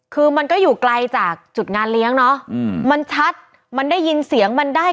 คือมันก็อยู่ไกลจากจุดงานเลี้ยงเนอะอืมมันชัดมันได้ยินเสียงมันได้